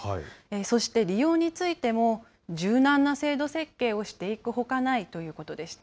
そして利用についても、柔軟な制度設計をしていくほかないということでした。